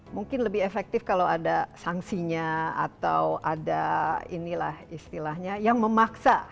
mungkin lebih efektif kalau ada sanksinya atau ada inilah istilahnya yang memaksa